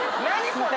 これ。